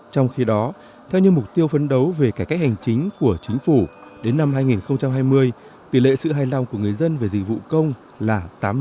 trong khi đó theo như mục tiêu phấn đấu về cải cách hành chính của chính phủ đến năm hai nghìn hai mươi tỷ lệ sự hài lòng của người dân về dịch vụ công là tám mươi